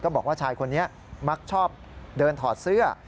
บอกว่าชายคนนี้มักชอบเดินถอดเสื้อ